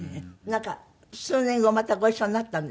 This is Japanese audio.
なんか数年後またご一緒になったんですって？